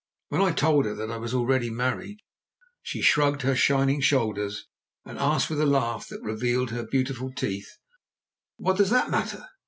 When I told her that I was already married, she shrugged her shining shoulders and asked with a laugh that revealed her beautiful teeth: "What does that matter?